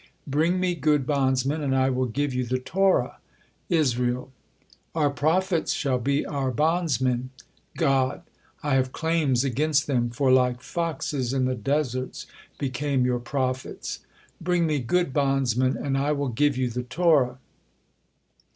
Bring Me good bondsmen and I will give you the Torah." Israel: "Our prophets shall be our bondsmen." God: "I have claims against them, for 'like foxes in the deserts became your prophets.' Bring Me good bondsmen and I will give you the Torah."